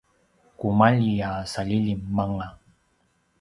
kumalji a salilim anga